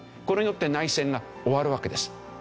これによって内戦が終わるわけです。